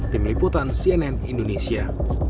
tim liputan cnn indonesia